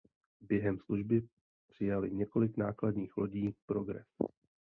Během služby přijali několik nákladních lodí Progress.